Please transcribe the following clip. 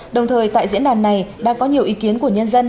đồng thời tại diễn đàn này đã có nhiều ý kiến của nhân dân